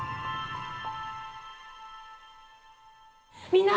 みんな！